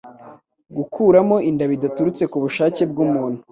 Gukuramo inda bidaturutse k'ubushake bw'umuntu